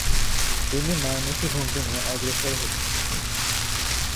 তিনি মারমূখী ভঙ্গীমায় অগ্রসর হতেন।